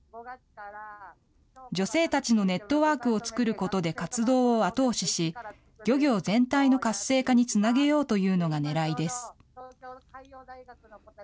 女性たちのネットワークを作ることで活動を後押しし、漁業全体の活性化につなげようというのがねらいです。